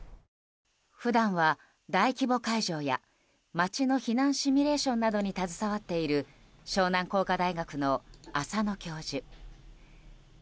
普段は大規模会場や街の避難シミュレーションなどに携わっている湘南工科大学の浅野教授。